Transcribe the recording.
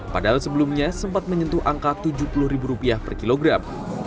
padahal sebelumnya sempat menyentuh angka tujuh puluh ribu rupiah per kilogram